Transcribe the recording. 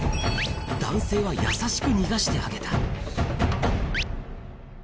男性は優しく逃がしてあげた。